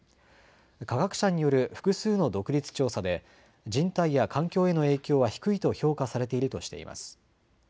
科学者による複数の独立調査で人体や環境への影響は低いと評価されているとしています。